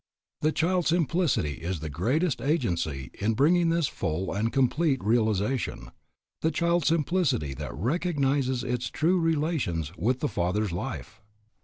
The child simplicity is the greatest agency in bringing this full and complete realization, the child simplicity that recognizes its true relations with the Father's life.